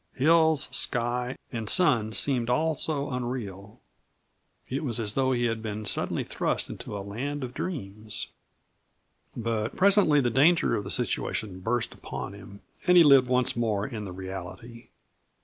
Hills, sky, and sun seemed also unreal. It was as though he had been suddenly thrust into a land of dreams. But presently the danger of the situation burst upon him, and he lived once more in the reality.